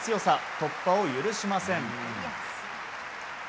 突破を許しません。